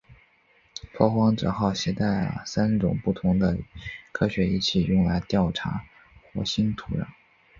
拓荒者号携带了三种不同的科学仪器用来调查火星土壤。